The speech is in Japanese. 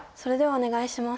お願いします。